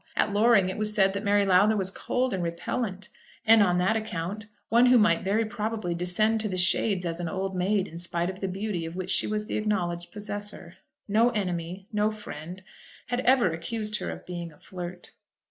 At Loring it was said that Mary Lowther was cold and repellent, and, on that account, one who might very probably descend to the shades as an old maid in spite of the beauty of which she was the acknowledged possessor. No enemy, no friend, had ever accused her of being a flirt.